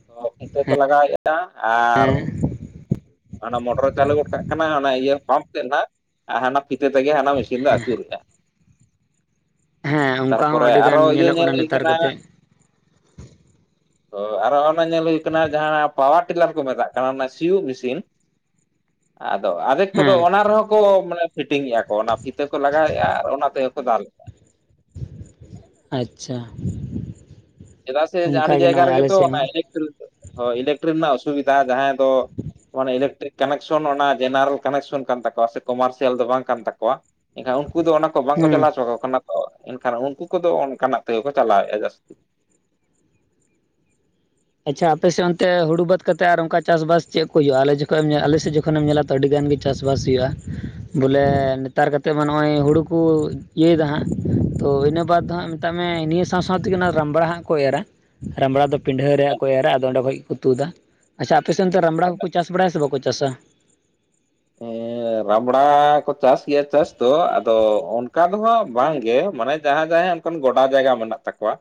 ᱛᱚ ᱚᱱᱛᱮ ᱠᱚ ᱞᱟᱜᱟᱣᱮᱫᱼᱟ ᱟᱨ ᱚᱱᱟ ᱢᱚᱴᱚᱨᱮ ᱪᱟᱹᱞᱩ ᱜᱚᱫ ᱠᱟᱜ ᱠᱟᱱᱟ ᱚᱱᱟ ᱤᱭᱟᱹ ᱯᱟᱢᱯ ᱛᱮᱫ ᱱᱷᱟᱜ ᱚᱱᱟ ᱯᱷᱤᱛᱟᱹ ᱛᱮᱜᱮ ᱦᱟᱱᱟ ᱢᱮᱥᱤᱱ ᱫᱚ ᱟᱹᱪᱩᱨᱚᱜᱼᱟ ᱦᱮᱸ ᱚᱱᱠᱟ ᱦᱚᱸ ᱛᱟᱨᱯᱚᱨᱮ ᱟᱹᱰᱤ ᱟᱨᱚ ᱜᱟᱱ ᱤᱭᱟᱹ ᱧᱮᱞᱚᱜ ᱧᱮᱞ ᱠᱟᱱᱟ ᱦᱩᱭ ᱱᱮᱛᱟᱨ ᱠᱟᱛᱮᱜ ᱛᱚ ᱟᱨᱚ ᱚᱱᱟ ᱧᱮᱞ ᱦᱩᱭ ᱠᱟᱱᱟ ᱡᱟᱦᱟᱸ ᱯᱟᱣᱟᱨ ᱴᱤᱞᱟᱨ ᱠᱚ ᱢᱮᱛᱟᱜ ᱠᱟᱱᱟ ᱚᱱᱟ ᱥᱤᱭᱩᱜ ᱢᱮᱥᱤᱱ (unintelligible) ᱟᱫᱚ ᱟᱫᱷᱮᱠ ᱠᱚᱫᱚ ᱦᱮᱸ ᱚᱱᱟ ᱨᱮᱦᱚᱸ ᱠᱚ ᱢᱟᱱᱮ ᱯᱷᱤᱴᱤᱝᱮᱫᱼᱟ ᱠᱚ ᱚᱱᱟ ᱦᱤᱛᱟᱹ ᱠᱚ ᱞᱟᱜᱟᱣᱮᱫᱼᱟ ᱟᱨ ᱚᱱᱟ ᱛᱮᱜᱮ ᱠᱚ ᱫᱟᱞ ᱟᱪᱪᱷᱟ ᱪᱮᱫᱟᱜ ᱥᱮ ᱡᱮ ᱚᱱᱠᱟ ᱟᱹᱰᱤ ᱜᱮ ᱡᱟᱭᱜᱟ ᱱᱚᱜᱼᱚᱭ ᱨᱮᱜᱮ ᱟᱞᱮ ᱛᱚ ᱥᱮᱫ ᱚᱱᱟ ᱦᱚᱸ ᱤᱞᱮᱠᱴᱤᱨᱤ ᱦᱚᱭ ᱤᱞᱮᱠᱴᱤᱨᱤ ᱨᱮᱱᱟᱜ ᱚᱥᱩᱵᱤᱫᱷᱟ ᱡᱟᱦᱟᱸ ᱫᱚ ᱢᱟᱱᱮ ᱤᱞᱮᱠᱴᱤᱨᱤᱠ ᱠᱟᱱᱮᱠᱥᱚᱱ ᱚᱱᱟ ᱡᱮᱱᱟᱨᱮᱞ ᱠᱟᱱᱮᱠᱥᱚᱱ ᱠᱟᱱ ᱛᱟᱠᱚᱣᱟ ᱥᱮ ᱠᱚᱢᱟᱨᱥᱤᱭᱟᱞ ᱫᱚ ᱵᱟᱝ ᱠᱟᱱ ᱛᱟᱠᱚᱣᱟ ᱮᱱᱠᱷᱟᱱ ᱩᱱᱠᱩ ᱫᱚ ᱚᱱᱟ ᱛᱚ ᱵᱟᱝᱠᱚ ᱦᱮᱸ ᱪᱟᱞᱟᱣ ᱚᱪᱚ ᱟᱠᱚ ᱠᱟᱱᱟ ᱛᱚ ᱮᱱᱠᱷᱟᱱ ᱩᱱᱠᱩ ᱠᱚᱫᱚ ᱚᱱᱠᱟᱱᱟᱜ ᱛᱮᱜᱮ ᱠᱚ ᱪᱟᱞᱟᱣᱮᱜ-ᱟ ᱡᱟᱹᱥᱛᱤ ᱟᱪᱪᱷᱟ ᱟᱯᱮ ᱥᱮᱫ ᱚᱱᱛᱮ ᱦᱩᱲᱩ ᱵᱟᱫ ᱠᱟᱛᱮ ᱟᱨ ᱚᱱᱠᱟ ᱪᱟᱥ ᱵᱟᱥ ᱪᱮᱫ ᱠᱚ ᱦᱩᱭᱩᱜᱼᱟ ᱟᱞᱮ ᱡᱚᱠᱷᱚᱡ ᱮᱢ ᱟᱞᱮᱥᱮᱫ ᱡᱚᱠᱷᱚᱱᱮᱢ ᱧᱮᱞᱟ ᱟᱹᱰᱤ ᱜᱟᱱ ᱜᱮ ᱪᱟᱥᱵᱟᱥ ᱦᱩᱭᱩᱜᱼᱟ ᱵᱚᱞᱮ ᱱᱮᱛᱟᱨ ᱠᱟᱛᱮᱫ ᱢᱟ ᱱᱚᱜᱼᱚᱭ ᱦᱩᱲᱩ ᱠᱚ ᱤᱭᱟᱹᱭᱮᱫᱟ ᱦᱟᱸᱜ ᱛᱚ ᱤᱱᱟᱹ ᱵᱟᱫ ᱫᱚ ᱦᱟᱸᱜ ᱢᱮᱛᱟᱜ ᱢᱮ ᱱᱤᱭᱟᱹ ᱥᱟᱶ ᱥᱟᱶ ᱛᱮᱜᱮ ᱚᱱᱟ ᱨᱟᱢᱵᱲᱟ ᱦᱟᱸᱜ ᱠᱚ ᱮᱨᱟ ᱨᱟᱢᱲᱟ ᱫᱚ ᱯᱤᱰᱷᱟᱹ ᱨᱮᱭᱟᱜ ᱠᱚ ᱮᱨᱟ ᱟᱫᱚ ᱚᱸᱰᱮ ᱠᱷᱚᱡ ᱜᱮᱠᱚ ᱛᱩᱫᱟ ᱟᱪᱪᱷᱟ ᱟᱯᱮᱥᱮᱱ ᱫᱚ ᱨᱟᱢᱲᱟ ᱠᱚ ᱪᱟᱥ ᱵᱟᱲᱟᱭᱟ ᱥᱮ ᱵᱟᱠᱚ ᱪᱟᱥᱟ ᱦᱮᱸ ᱨᱟᱢᱲᱟ ᱠᱚ ᱪᱟᱥ ᱜᱮᱭᱟ ᱪᱟᱥ ᱫᱚ ᱟᱫᱚ ᱚᱱ ᱚᱱᱠᱟ ᱫᱚ ᱦᱟᱸᱜ ᱵᱟᱝᱜᱮ ᱢᱟᱱᱮ ᱡᱟᱦᱟᱸᱭ ᱡᱟᱦᱟᱸᱭ ᱚᱱᱠᱟᱱ ᱜᱚᱰᱟ ᱡᱟᱭᱜᱟ ᱢᱮᱱᱟᱜ ᱛᱟᱠᱚᱣᱟ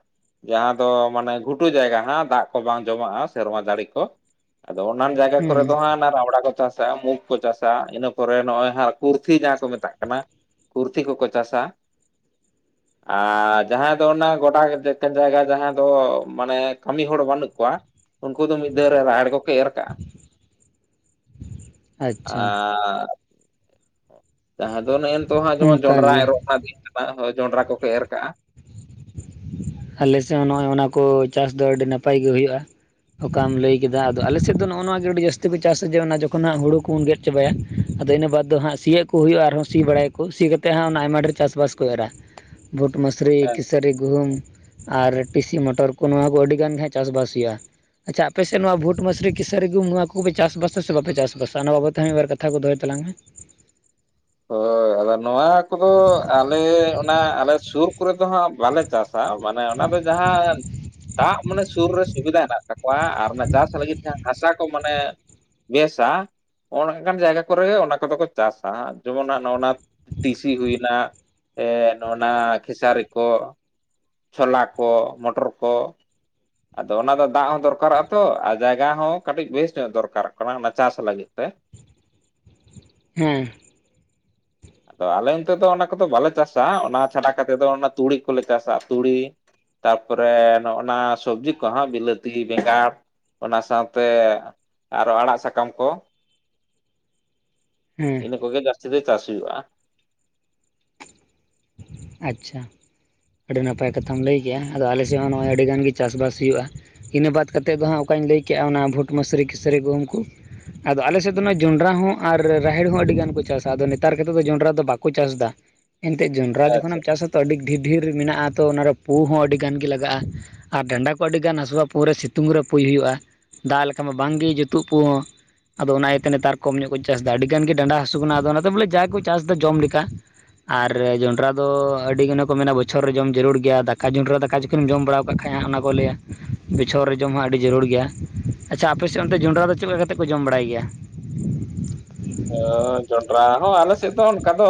ᱡᱟᱦᱟᱸ ᱫᱚ ᱢᱟᱱᱮ ᱜᱷᱩᱴᱩ ᱡᱟᱭᱜᱟ ᱦᱟᱸᱜ ᱫᱟᱜ ᱠᱚ ᱵᱟᱝ ᱡᱚᱢᱟᱜᱼᱟ ᱥᱮᱨᱢᱟ ᱡᱟᱲᱤ ᱠᱚ ᱟᱫᱚ ᱚᱱᱟ ᱡᱟᱭᱜᱟ ᱦᱩᱸ ᱠᱚᱨᱮ ᱫᱚ ᱦᱟᱸᱜ ᱚᱱᱟ ᱨᱟᱣᱲᱟ ᱠᱚ ᱪᱟᱥᱟ ᱢᱩᱠ ᱠᱚ ᱪᱟᱥᱟ ᱤᱱᱟᱹ ᱯᱚᱨᱮ ᱱᱚᱜᱼᱚᱭ ᱦᱟᱸᱜ ᱠᱩᱨᱛᱤ ᱡᱟᱦᱟᱸ ᱠᱚ ᱢᱮᱛᱟᱜ ᱠᱟᱱᱟ ᱠᱩᱨᱛᱤ ᱠᱚᱠᱚ ᱪᱟᱥᱟ (inaudible) ᱟᱸ ᱡᱟᱦᱟᱸᱭ ᱫᱚ ᱚᱱᱟ ᱜᱚᱴᱟ ᱜᱮᱛᱮᱜ ᱛᱮ ᱡᱟᱭᱜᱟ ᱡᱟᱦᱟᱸ ᱫᱚ ᱢᱟᱱᱮ ᱠᱟᱹᱢᱤ ᱦᱚᱲ ᱵᱟᱹᱱᱩᱜ ᱠᱚᱣᱟ ᱩᱱᱠᱩ ᱫᱚ ᱢᱤᱫ ᱫᱷᱟᱹᱣ ᱨᱮ ᱨᱟᱦᱮᱲ ᱜᱮᱠᱚ ᱮᱨ ᱠᱟᱜᱼᱟ ᱟᱪᱪᱷᱟ ᱟᱸ ᱡᱟᱦᱟᱸ ᱫᱚ ᱱᱮᱼᱮᱱ ᱛᱚᱜ ᱦᱟᱸᱜ ᱡᱮᱢᱚᱱ ᱚᱱᱠᱟ ᱡᱚᱱᱰᱨᱟ ᱜᱮ ᱮᱨᱚᱜ ᱨᱮᱱᱟᱜ ᱫᱤᱱ ᱠᱟᱱᱟ ᱦᱳᱭ ᱡᱚᱸᱰᱨᱟ ᱠᱚᱠᱚ ᱮᱨ ᱠᱟᱜᱼᱟ ᱟᱞᱮ ᱥᱮᱜ ᱦᱚᱸ ᱱᱚᱜᱼᱚᱭ ᱚᱱᱟᱠᱚ ᱪᱟᱥ ᱫᱚ ᱟᱹᱰᱤ ᱱᱟᱯᱟᱭ ᱜᱮ ᱦᱩᱭᱩᱜᱼᱟ᱾ ᱚᱠᱟᱢ ᱞᱟᱹᱭ ᱠᱮᱫᱟ ᱟᱫᱚ ᱟᱞᱮᱥᱮᱫ ᱫᱚ ᱱᱚᱜᱼᱚ ᱱᱚᱣᱟᱜᱮ ᱟᱹᱰᱤ ᱡᱟᱹᱥᱛᱤ ᱠᱚ ᱪᱟᱥᱟ ᱡᱮ ᱚᱱᱟ ᱡᱚᱠᱷᱚᱱ ᱦᱟᱸᱜ ᱦᱩᱲᱩ ᱠᱚᱵᱚᱱ ᱜᱮᱫ ᱪᱟᱵᱟᱭᱟ ᱟᱫᱚ ᱤᱱᱟᱹ ᱵᱟᱫᱽ ᱫᱚ ᱦᱟᱸᱜ ᱥᱤᱭᱟᱜ ᱠᱚ ᱦᱩᱭᱩᱜᱼᱟ ᱟᱨᱦᱚᱸ ᱥᱤ ᱵᱟᱲᱟᱭᱟᱠᱚ ᱥᱤ ᱠᱟᱛᱮᱜ ᱦᱟᱸᱜ ᱚᱱᱟ ᱟᱭᱢᱟ ᱰᱷᱮᱨ ᱪᱟᱥᱵᱟᱥ ᱠᱚ ᱮᱨᱟ ᱵᱷᱩᱴ ᱢᱚᱹᱥᱨᱤ ᱦᱮᱸ ᱠᱤᱥᱟᱹᱨᱤ ᱜᱩᱦᱩᱢ ᱟᱨ ᱴᱤᱥᱤ ᱢᱚᱴᱚᱨ ᱠᱚ ᱱᱚᱣᱟ ᱠᱚ ᱟᱹᱰᱤ ᱜᱟᱱ ᱜᱮ ᱦᱟᱸᱜ ᱪᱟᱥᱵᱟᱥ ᱦᱩᱭᱩᱜᱼᱟ ᱟᱪᱪᱷᱟ ᱟᱯᱮ ᱥᱮᱫ ᱱᱚᱣᱟ ᱵᱷᱩᱴ ᱢᱟᱥᱨᱤ ᱠᱤᱥᱟᱹᱨᱤ ᱜᱩᱦᱩᱢ ᱱᱚᱣᱟ ᱠᱚᱯᱮ ᱪᱟᱥ ᱵᱟᱥᱟ ᱥᱮ ᱵᱟᱯᱮ ᱪᱟᱥᱵᱟᱥᱟ ᱚᱱᱟ ᱵᱟᱵᱚᱫ ᱛᱮ ᱦᱚᱸ ᱢᱤᱜ ᱵᱟᱨᱠᱟᱛᱷᱟ ᱠᱟᱛᱷᱟ ᱠᱚ ᱫᱚᱦᱚᱭ ᱛᱟᱞᱟᱝ ᱢᱮ ᱦᱳᱭ ᱟᱫᱚ ᱱᱚᱣᱟ ᱠᱚᱫᱚ ᱟᱞᱮ ᱚᱱᱟ ᱟᱞᱮ ᱥᱩᱨ ᱠᱚᱨᱮ ᱫᱚ ᱦᱟᱸᱜ ᱵᱟᱞᱮ ᱪᱟᱥ ᱥᱟ ᱢᱟᱱᱮ ᱚᱱᱟ ᱫᱚ ᱡᱟᱦᱟᱸ ᱫᱟᱜ ᱢᱟᱱᱮ ᱥᱩᱨ ᱨᱮ ᱥᱩᱵᱤᱫᱟ ᱦᱮᱱᱟᱜ ᱛᱟᱠᱚ ᱠᱚᱣᱟ ᱟᱨ ᱚᱱᱟ ᱪᱟᱥ ᱞᱟᱹᱜᱤᱫ ᱛᱮ ᱦᱟᱸᱜ ᱦᱟᱥᱟ ᱠᱚ ᱢᱟᱱᱮ ᱵᱮᱥᱟ ᱚᱱᱠᱟᱱ ᱡᱟᱭᱜᱟ ᱠᱚᱨᱮ ᱜᱮ ᱚᱱᱟ ᱠᱚᱫᱚ ᱠᱚ ᱪᱟᱥᱟ ᱡᱮᱢᱚᱱ ᱱᱟᱸᱜ ᱱᱚᱣᱱᱟᱛ ᱴᱤᱥᱤ ᱦᱩᱭᱱᱟ ᱮᱸ ᱱᱚᱜᱼᱱᱟ ᱠᱷᱮᱥᱟᱨᱤ ᱠᱚ ᱪᱷᱚᱞᱟ ᱠᱚ ᱢᱚᱴᱚᱨ ᱠᱚ ᱟᱫᱚ ᱚᱱᱟ ᱫᱚ ᱫᱟᱜ ᱦᱚᱸ ᱫᱚᱨᱠᱟᱨᱚᱜᱼᱟ ᱛᱚ ᱟᱨ ᱡᱟᱭᱜᱟ ᱦᱚᱸ ᱠᱟᱹᱴᱤᱡ ᱵᱮᱥ ᱧᱚᱜ ᱫᱚᱨᱠᱟᱨᱚᱜ ᱠᱟᱱᱟ ᱚᱱᱟ ᱪᱟᱥ ᱞᱟᱹᱜᱤᱫ ᱛᱮ ᱦᱩᱸ ᱟᱫᱚ ᱟᱞᱮ ᱚᱱᱛᱮ ᱫᱚ ᱚᱱᱟ ᱠᱚᱫᱚ ᱵᱟᱞᱮ ᱪᱟᱥᱟ ᱚᱱᱟ ᱪᱷᱟᱰᱟ ᱠᱟᱛᱮᱫ ᱫᱚ ᱚᱱᱟ ᱛᱩᱲᱤ ᱠᱚᱞᱮ ᱪᱟᱥᱟ ᱛᱩᱲᱤ ᱛᱟᱨᱯᱚᱨᱮ ᱱᱚᱜᱼ ᱱᱟ ᱥᱚᱵᱽᱡᱤ ᱠᱚᱦᱚᱸ ᱵᱤᱞᱟᱹᱛᱤ ᱵᱮᱸᱜᱟᱲ ᱚᱱᱟ ᱥᱟᱶᱛᱮ ᱟᱨᱚ ᱟᱲᱟᱜ ᱥᱟᱠᱟᱢ ᱠᱚ (inaudible) ᱦᱮᱸ ᱤᱱᱟᱹ ᱠᱚᱜᱮ ᱡᱟᱹᱥᱛᱤ ᱫᱚ ᱪᱟᱥ ᱦᱩᱭᱩᱜᱼᱟ᱾ ᱟᱪᱪᱷᱟ ᱟᱹᱰᱤ ᱱᱟᱯᱟᱭ ᱠᱟᱛᱷᱟᱢ ᱞᱟᱹᱭ ᱠᱮᱫᱮᱜᱼᱟ ᱟᱫᱚ ᱟᱞᱮ ᱥᱮᱜ ᱦᱚᱸ ᱱᱚᱜᱼᱚᱭ ᱟᱹᱰᱤ ᱜᱟᱱ ᱜᱤ ᱪᱟᱥᱵᱟᱥ ᱦᱩᱭᱩᱜᱼᱟ᱾ ᱤᱱᱟᱹ ᱵᱟᱫ ᱠᱟᱛᱮᱫ ᱫᱚ ᱦᱟᱸᱜ ᱚᱠᱟᱧ ᱞᱟᱹᱭ ᱠᱮᱜᱼᱟ ᱚᱱᱟ ᱵᱷᱩᱴ ᱢᱟᱹᱥᱨᱤ ᱠᱷᱟᱹᱥᱨᱤ ᱠᱚ ᱩᱝᱠᱩ ᱟᱫᱚ ᱟᱞᱮ ᱥᱮᱫ ᱫᱚ ᱱᱚᱼᱚᱭ ᱡᱚᱸᱰᱨᱟ ᱦᱚᱸ ᱟᱨ ᱨᱟᱦᱮᱲ ᱦᱚᱸ ᱟᱹᱰᱤ ᱜᱟᱱ ᱠᱚ ᱪᱟᱥᱟ, ᱟᱫᱚ ᱱᱮᱛᱟᱨ ᱠᱟᱛᱮᱫ ᱫᱚ ᱡᱚᱸᱰᱨᱟ ᱫᱚ ᱵᱟᱠᱚ ᱪᱟᱥᱫᱟ᱾ ᱮᱱᱛᱮᱡ ᱡᱚᱸᱰᱨᱟ ᱟᱪᱪᱷᱟ ᱡᱚᱠᱷᱚᱱᱮᱢ ᱪᱟᱥᱟ ᱛᱚ ᱟᱹᱰᱤ ᱰᱷᱮᱨ ᱰᱷᱮᱨ ᱢᱮᱱᱟᱜᱼᱟ ᱛᱚ ᱚᱱᱟᱨᱮ ᱯᱳ ᱦᱚᱸ ᱟᱹᱰᱤ ᱜᱟᱱ ᱜᱮ ᱞᱟᱜᱟᱜᱼᱟ ᱟᱨ ᱰᱟᱱᱰᱟ ᱠᱚ ᱟᱹᱰᱤᱜᱟᱱ ᱦᱟᱹᱥᱩᱣᱟ ᱯᱩᱨᱮ ᱥᱤᱛᱩᱝ ᱨᱮ ᱯᱩᱭ ᱦᱩᱭᱩᱜᱼᱟ ᱫᱟᱜ ᱞᱮᱠᱟ ᱢᱟ ᱵᱟᱝᱜᱮ ᱡᱩᱛᱩᱜ ᱯᱩ ᱦᱚᱸ ᱟᱫᱚ ᱚᱱᱟ ᱤᱭᱟᱹᱛᱮ ᱱᱮᱛᱟᱨ ᱠᱚᱢ ᱧᱚᱜ ᱠᱚ ᱪᱟᱥ ᱫᱟ ᱟᱹᱰᱤ ᱜᱟᱱ ᱜᱮ ᱰᱟᱸᱰᱟ ᱦᱟᱹᱥᱩ ᱠᱟᱱᱟ ᱟᱫᱚ ᱚᱱᱟᱛᱮ ᱵᱚᱞᱮ ᱡᱟ ᱠᱚ ᱪᱟᱥᱫᱟ ᱡᱚᱢ ᱞᱮᱠᱟ ᱨᱮ ᱡᱚᱸᱰᱨᱟ ᱫᱚ ᱟᱹᱰᱤ ᱜᱟᱱᱮ ᱠᱚ ᱢᱮᱱᱟ ᱵᱚᱪᱷᱚᱨ ᱨᱮ ᱡᱚᱢ ᱡᱟᱹᱨᱩᱲ ᱜᱮᱭᱟ, ᱫᱟᱠᱟ ᱡᱚᱸᱰᱨᱟ ᱫᱟᱠᱟ ᱪᱤᱠᱟᱹᱢ ᱡᱚᱢ ᱵᱟᱲᱟᱣ ᱠᱟᱜ ᱠᱷᱟᱡ ᱦᱟᱸᱜ ᱚᱱᱟᱠᱚ ᱞᱮᱭᱟ ᱵᱚᱪᱷᱚᱨ ᱨᱮ ᱡᱚᱢ ᱦᱚᱸ ᱟᱹᱰᱤ ᱡᱟᱹᱨᱩᱲ ᱜᱮᱭᱟ ᱟᱪᱪᱷᱟ ᱟᱯᱮ ᱥᱮᱜ ᱚᱱᱛᱮ ᱡᱚᱸᱰᱨᱟ ᱫᱚ ᱪᱮᱫ ᱞᱮᱠᱟ ᱠᱟᱛᱮᱫ ᱠᱚ ᱡᱚᱢ ᱵᱟᱲᱟᱭ ᱜᱮᱭᱟ? ᱡᱚᱱᱰᱨᱟ ᱦᱚᱸ ᱟᱞᱮᱥᱮᱫ ᱫᱚ ᱚᱱᱠᱟ ᱫᱚ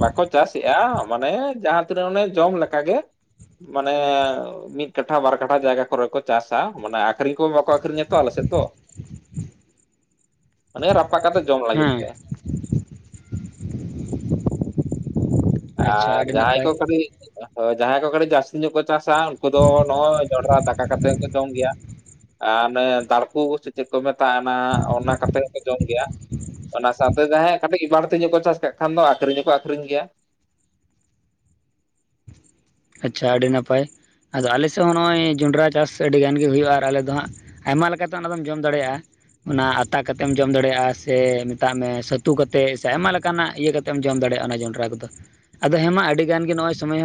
ᱵᱟᱠᱚ ᱪᱟᱥ ᱮᱜᱼᱟ ᱢᱟᱱᱮ ᱡᱟᱦᱟᱸ ᱛᱤᱱᱟᱹᱜ ᱚᱱᱮ ᱡᱚᱢ ᱞᱮᱠᱟ ᱜᱮ ᱢᱟᱱᱮ ᱢᱤᱫ ᱠᱟᱴᱷᱟ ᱵᱟᱨ ᱠᱟᱴᱷᱟ ᱡᱟᱭᱜᱟ ᱠᱚᱨᱮ ᱠᱚ ᱪᱟᱥᱟ ᱢᱟᱱᱮ ᱟᱠᱷᱨᱤᱧ ᱠᱚ ᱵᱚᱠ ᱟᱹᱠᱷᱨᱤᱧᱟᱛᱚ ᱟᱞᱮ ᱥᱮᱫ ᱫᱚ ᱟᱱᱮ ᱨᱟᱯᱟᱜ ᱠᱟᱛᱮ ᱡᱚᱢ ᱞᱟᱹᱜᱤᱫ ᱦᱮᱸ ᱜᱮ (inaudible) ᱟᱨ ᱟᱹᱰᱤ ᱡᱟᱦᱟᱸᱭ ᱱᱟᱯᱟᱭ ᱠᱚ ᱠᱟᱹᱴᱤᱡ ᱡᱟᱦᱟᱸᱭ ᱠᱚ ᱠᱟᱹᱴ ᱡᱟᱥ ᱧᱚᱜ ᱠᱚ ᱪᱟᱥᱟ ᱩᱱᱠᱩ ᱫᱚ ᱱᱚᱜᱼᱚᱭ ᱡᱚᱸᱰᱨᱟ ᱫᱟᱠᱟ ᱠᱟᱛᱮᱫ ᱠᱚ ᱡᱚᱢ ᱜᱮᱭᱟ ᱟᱨ ᱚᱱᱮ ᱫᱟᱲᱯᱳ ᱠᱚᱥᱮ ᱪᱮᱫ ᱠᱚ ᱢᱮᱛᱟᱜᱼᱟᱱᱟ ᱚᱱᱟ ᱠᱟᱛᱮᱜ ᱦᱚᱸᱠᱚ ᱡᱚᱢ ᱜᱮᱭᱟ ᱚᱱᱟ ᱥᱟᱶᱛᱮ ᱡᱟᱦᱟᱸᱭ ᱠᱟᱹᱴᱤᱡ ᱵᱟᱹᱲᱛᱤ ᱧᱚᱜ ᱠᱚ ᱪᱟᱥ ᱠᱟᱜ ᱠᱷᱟᱱ ᱫᱚ ᱟᱠᱷᱨᱤᱧ ᱦᱚᱸᱠᱚ ᱟᱠᱷᱨᱤᱧ ᱜᱮᱭᱟ᱾ ᱟᱪᱪᱷᱟ ᱟᱹᱰᱤ ᱱᱟᱯᱟᱭ, ᱟᱫᱚ ᱟᱞᱮ ᱥᱮᱜ ᱦᱚᱸ ᱱᱚᱜᱼᱚᱭ ᱡᱚᱸᱰᱨᱟ ᱪᱟᱥ ᱟᱹᱰᱤ ᱜᱟᱱ ᱜᱮ ᱦᱩᱭᱩᱜᱼᱟ ᱟᱨ ᱟᱞᱮ ᱫᱚ ᱦᱟᱸᱜ ᱟᱭᱢᱟ ᱞᱮᱠᱟᱛᱮ ᱚᱱᱟᱫᱚᱢ ᱡᱚᱢ ᱫᱟᱲᱮᱭᱟᱜᱼᱟ ᱚᱱᱟ ᱟᱛᱟ ᱠᱟᱛᱮᱢ ᱡᱚᱢ ᱫᱟᱲᱮᱭᱟᱜᱼᱟ, ᱥᱮ ᱢᱮᱛᱟᱜ ᱢᱮ ᱥᱟᱹᱛᱩ ᱠᱟᱛᱮᱜ ᱥᱮ ᱟᱭᱢᱟ ᱞᱮᱠᱟᱱᱟᱜ ᱤᱭᱟᱹ ᱠᱟᱛᱼᱼ ᱮᱢ ᱡᱚᱢ ᱫᱟᱲᱮᱭᱟᱜᱼᱟ ᱚᱱᱟ ᱡᱚᱱᱰᱨᱟ ᱠᱚᱫᱚ᱾ ᱟᱫᱚ ᱦᱮᱸ ᱢᱟ ᱟᱹᱰᱤ ᱜᱟᱱ ᱜᱮ ᱱᱚᱜ ᱚᱭ ᱥᱚᱢᱚᱭ ᱦᱚᱸ